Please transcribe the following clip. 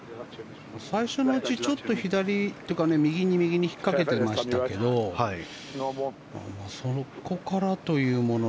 最初のうちちょっと左というか右に右に引っかけてましたけどそこからというもの